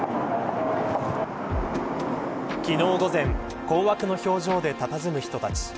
昨日午前困惑の表情でたたずむ人たち。